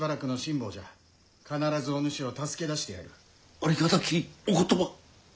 ありがたきお言葉。